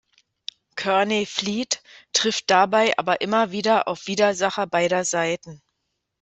Kearney flieht, trifft dabei aber immer wieder auf Widersacher beider Seiten.